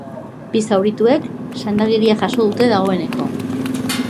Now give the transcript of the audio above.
Bi zaurituek sendagiria jaso dute dagoeneko.